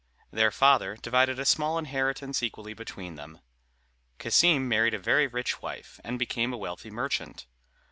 Their father divided a small inheritance equally between them. Cassim married a very rich wife, and became a wealthy merchant.